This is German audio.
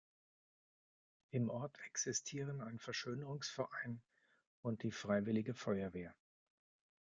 Im Ort existieren ein Verschönerungsverein und die Freiwillige Feuerwehr.